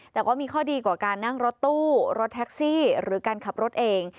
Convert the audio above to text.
แต่ก็มีข้อดีกว่าการนั่งรถตู้รถแท็กซี่หรือการขับรถเอง